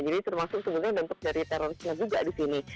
jadi itu maksudnya bentuk dari terorisnya juga di sini